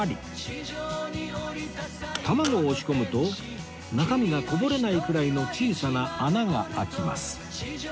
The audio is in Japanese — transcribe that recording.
卵を押し込むと中身がこぼれないくらいの小さな穴が開きます